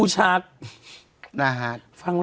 จริง